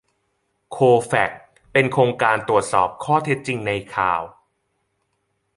โคแฟค เป็นโครงการตรวจสอบข้อเท็จจริงในข่าว